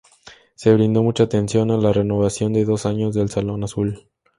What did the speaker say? Se brindó mucha atención a la renovación de dos años del Salón Azul.